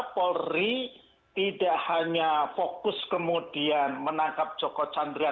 polri tidak hanya fokus kemudian menangkap joko chandra